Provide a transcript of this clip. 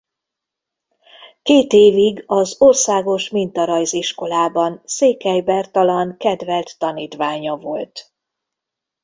Két évig az Országos Mintarajziskolában Székely Bertalan kedvelt tanítványa volt.